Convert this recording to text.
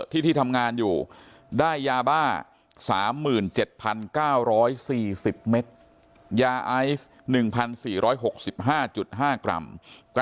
ที่ที่ทำงานอยู่ได้ยาบ้าสามหมื่นเจ็ดพันเก้าร้อยสี่สิบเมตร